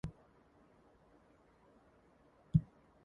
The Disposable Heroes split up shortly after.